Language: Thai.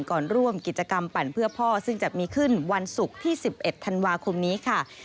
ก่อนร่วมกิจกรรมปั่นเพื่อพ่อซึ่งจะมีขึ้นวันศุกร์ที่๑๑ธันวาคมนี้ค่ะ